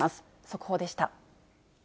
速報でした。